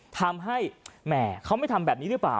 ทำให้แหมเขาไม่ทำแบบนี้หรือเปล่า